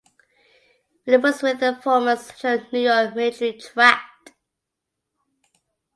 Willet was within the former Central New York Military Tract.